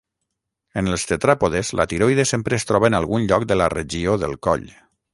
En els tetràpodes, la tiroide sempre es troba en algun lloc de la regió del coll.